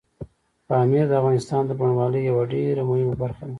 پامیر د افغانستان د بڼوالۍ یوه ډېره مهمه برخه ده.